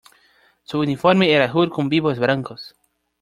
Su uniforme es azul con vivos blancos.